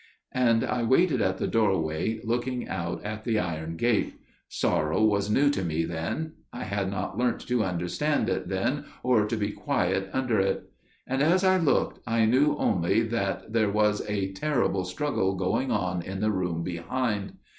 "And I waited at the doorway, looking out at the iron gate. Sorrow was new to me then. I had not learnt to understand it then, or to be quiet under it. And as I looked I knew only that there was a terrible struggle going on in the room behind.